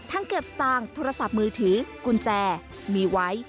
เก็บสตางค์โทรศัพท์มือถือกุญแจมีไว้